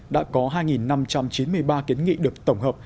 đã có hai năm trăm chín mươi ba kiến nghị được tổng hợp